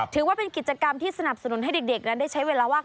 ถือว่าเป็นกิจกรรมที่สนับสนุนให้เด็กนั้นได้ใช้เวลาว่าง